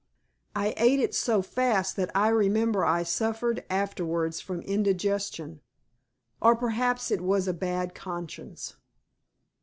I ate it so fast that I remember I suffered afterwards from indigestion, or perhaps it was a bad conscience.